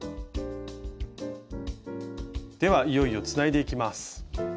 ではいよいよつないでいきます。